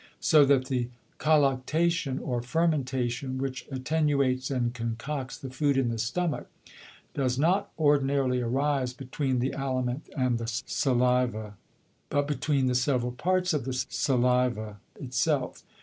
So that the Colluctation, or Fermentation, which attenuates and concocts the Food in the Stomach, does not ordinarily arise between the Aliment and the Saliva, but between the several Parts of the Saliva it self.